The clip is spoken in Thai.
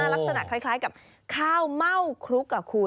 ลักษณะคล้ายกับข้าวเม่าคลุกคุณ